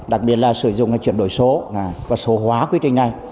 đặc biệt là sử dụng chuyển đổi số và số hóa quy trình này